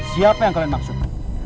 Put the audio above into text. siapa yang kalian maksud